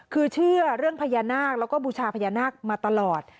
คือเชื่อเรื่องพญานาคแล้วก็บูชาพญานาคมาตลอด